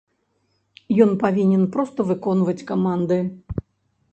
Ён павінен проста выконваць каманды.